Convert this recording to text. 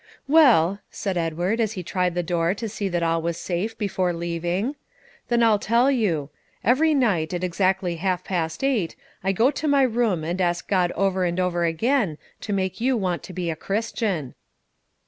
"Well," said Edward, as he tried the door to see that all was safe before leaving, "then I'll tell you. Every night, at exactly half past eight, I go to my room and ask God over and over again to make you want to be a Christian."